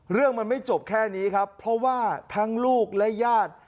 เรื่องมันไม่จบแค่นี้ครับเพราะว่าทั้งลูกและญาติ